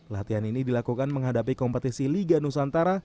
latihan ini dilakukan menghadapi kompetisi liga nusantara